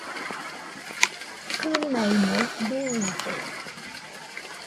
Kɨnaimo bɨide